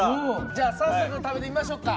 じゃあ早速食べてみましょっか。